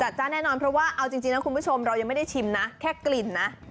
จ้านแน่นอนเพราะว่าเอาจริงนะคุณผู้ชมเรายังไม่ได้ชิมนะแค่กลิ่นนะ